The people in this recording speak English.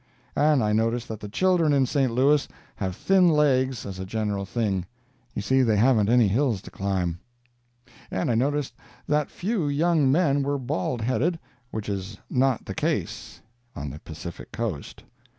And I noticed that the children in St. Louis have thin legs as a general thing. You see they haven't any hills to climb. And I noticed that few young men were bald headed—which is not the case on the Pacific Coast.